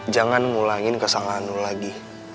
jangan ngulangin kesalahan lu lagi